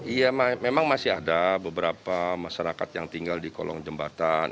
iya memang masih ada beberapa masyarakat yang tinggal di kolong jembatan